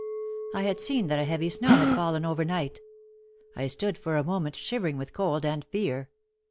I had seen that a heavy snow had fallen over night. I stood for a moment shivering with cold and fear.